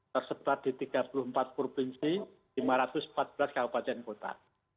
tersebar di tiga puluh empat provinsi lima ratus empat belas kabupaten kota